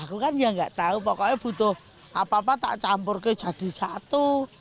aku kan ya nggak tahu pokoknya butuh apa apa tak campur ke jadi satu